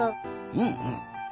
うんうん。